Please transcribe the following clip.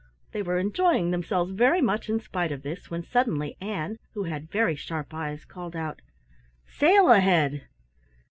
They were enjoying themselves very much, in spite of this, when suddenly Ann, who had very sharp eyes, called out: "Sail ahead!"